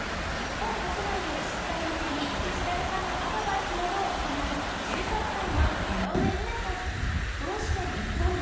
日本国内で自治体向けにデジタル化のアドバイスなどを行う１３歳の井上美奈さん。